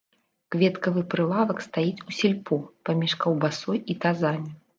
Кветкавы прылавак стаіць у сельпо, паміж каўбасой і тазамі.